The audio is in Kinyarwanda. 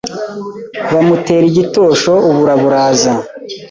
bamutera igitosho ubura buraza.